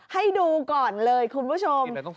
ให้ดูก่อนเลยคุณผู้ชม